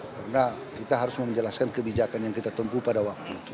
karena kita harus menjelaskan kebijakan yang kita tempuh pada waktu itu